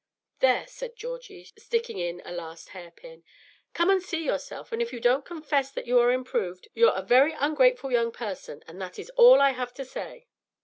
"There," said Georgie, sticking in a last hair pin, "come and see yourself; and if you don't confess that you are improved, you're a very ungrateful young person, and that is all I have to say."